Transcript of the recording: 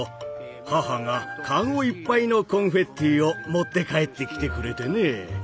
母がカゴいっぱいのコンフェッティを持って帰ってきてくれてね。